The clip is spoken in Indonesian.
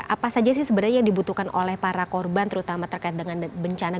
apa saja sih sebenarnya yang dibutuhkan oleh para korban terutama terkait dengan bencana